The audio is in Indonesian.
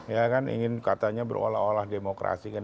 ya kan ingin katanya berolah olah demokrasi kan